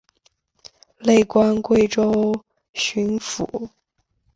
累官贵州巡抚。